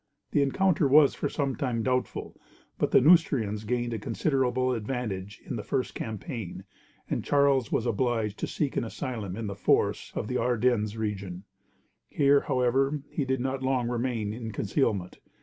The encounter was for some time doubtful, but the Neustrians gained a considerable advantage in the first campaign, and Charles was obliged to seek an asylum in the forests of the Ardennes region. Here, however, he did not long remain in concealment.